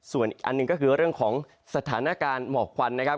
ส่วนอีกอันหนึ่งก็คือเรื่องของสถานการณ์หมอกควันนะครับ